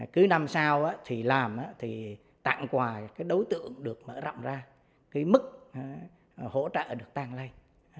cứ năm sau thì làm thì tặng quà cái đối tượng được mở rộng ra cái mức hỗ trợ được tăng lên